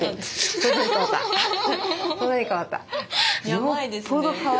やばいですね。